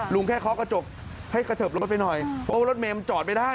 ลุงแค่เคาะกระจกให้กระเถิบรถไปหน่อยเพราะว่ารถเมนมันจอดไม่ได้